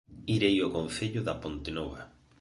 Irei ao Concello da Pontenova